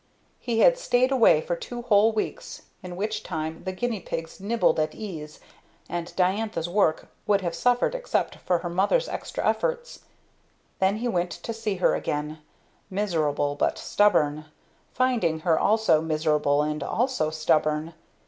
He had stayed away for two whole weeks, in which time the guinea pigs nibbled at ease and Diantha's work would have suffered except for her mother's extra efforts. Then he went to see her again, miserable but stubborn, finding her also miserable and also stubborn.